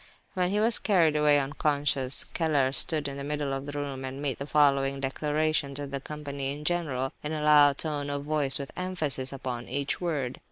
When he was carried away unconscious, Keller stood in the middle of the room, and made the following declaration to the company in general, in a loud tone of voice, with emphasis upon each word.